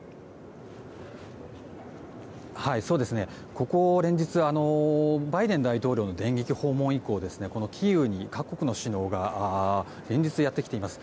ここ連日バイデン大統領の電撃訪問以降キーウに各国の首脳が連日、やってきています。